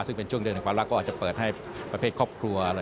ซึ่งเป็นช่วงเดือนแห่งความรักก็อาจจะเปิดให้ประเภทครอบครัว